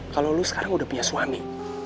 kalau lo sekarang udah punya suami